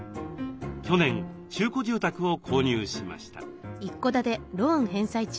去年中古住宅を購入しました。